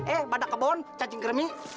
eh pada kebun cacing kebun